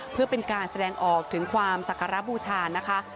เพื่อเป็นการแสดงออกถึงความศักระบูชานะคะ